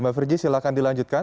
mbak firji silahkan dilanjutkan